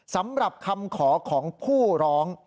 สำหรับคำขอของผู้ร้อง